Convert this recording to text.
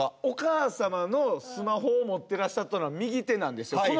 お母様のスマホを持ってらっしゃったのは右手なんですよ。